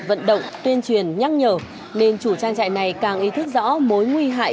vận động tuyên truyền nhắc nhở nên chủ trăn chạy này càng ý thức rõ mối nguy hại